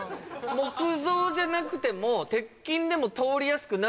木造じゃなくても。